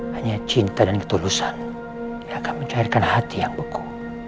hanya cinta dan ketulusan yang akan mencairkan hati yang hukum